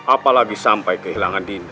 apalagi sampai kehilangan dinda